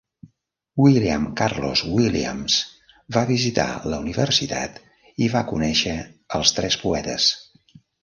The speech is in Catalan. William Carlos Williams va visitar la universitat i va conèixer als tres poetes.